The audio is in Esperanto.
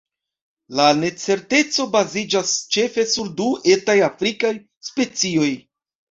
La necerteco baziĝas ĉefe sur du etaj afrikaj specioj.